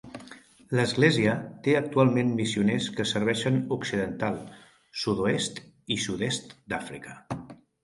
L'església té actualment missioners que serveixen occidental, Sud-oest i sud-est d'Àfrica.